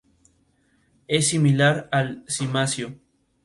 Cada año se renuevan las actividades, algunas se mantienen y otras son reemplazadas.